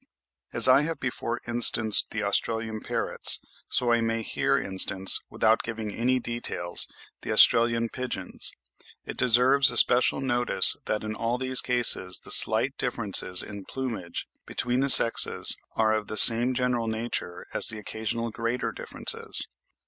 As I have before instanced the Australian parrots, so I may here instance, without giving any details, the Australian pigeons. (27. Gould's 'Handbook to the Birds of Australia,' vol. ii. pp. 109 149.) It deserves especial notice that in all these cases the slight differences in plumage between the sexes are of the same general nature as the occasionally greater differences.